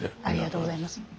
ありがとうございます。